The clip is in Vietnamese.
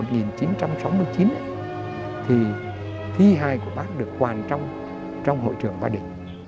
các đồng chí có biết mùng sáu tháng sáu năm một nghìn chín trăm sáu mươi chín thì thi hai của bác được hoàn trong hội trưởng ba định